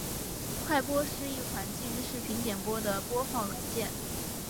快播是一款基于视频点播的播放软件。